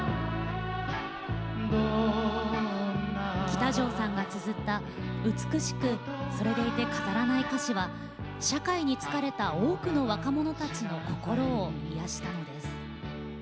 喜多條さんがつづった美しくそれでいて飾らない歌詞は社会に疲れた多くの若者たちの心を癒やしたのです。